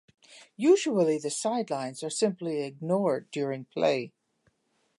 Usually the sidelines are simply ignored during play.